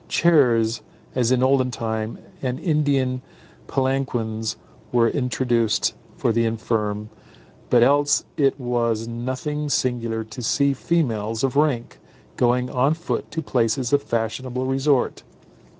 Chairs, as in olden time, and Indian palanquins were introduced for the infirm; but else it was nothing singular to see females of rank going on foot to places of fashionable resort.